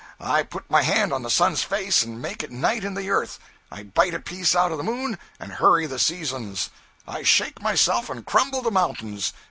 I put my hand on the sun's face and make it night in the earth; I bite a piece out of the moon and hurry the seasons; I shake myself and crumble the mountains!